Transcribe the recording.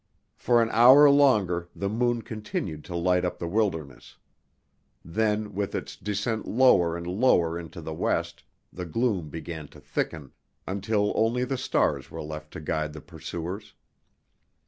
For an hour longer the moon continued to light up the wilderness; then, with its descent lower and lower into the west, the gloom began to thicken, until only the stars were left to guide the pursuers.